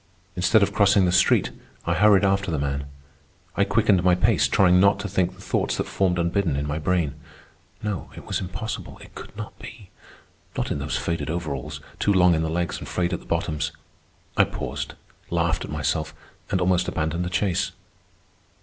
Instead of crossing the street, I hurried after the man. I quickened my pace, trying not to think the thoughts that formed unbidden in my brain. No, it was impossible. It could not be—not in those faded overalls, too long in the legs and frayed at the bottoms. I paused, laughed at myself, and almost abandoned the chase.